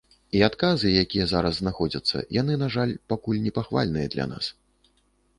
І адказы, якія зараз знаходзяцца, яны, на жаль, пакуль непахвальныя для нас.